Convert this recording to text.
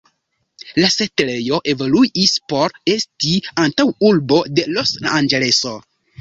La setlejo evoluis por esti antaŭurbo de Los-Anĝeleso.